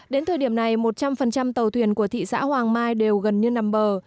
đến thời điểm này một trăm linh tàu thuyền của thị xã hoàng mai đều gần như nằm bờ